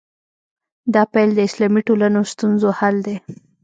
دا پیل د اسلامي ټولنو ستونزو حل دی.